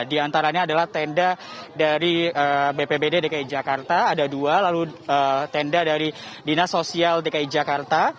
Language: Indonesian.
di antaranya adalah tenda dari bpbd dki jakarta ada dua lalu tenda dari dinas sosial dki jakarta